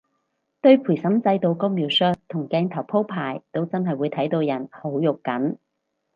對陪審制度個描述同鏡頭鋪排都真係會睇到人好肉緊